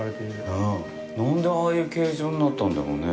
なんでああいう形状になったんだろうね？